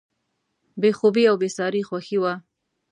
بې خوبي او بېساري خوښي وه.